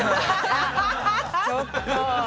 ちょっと。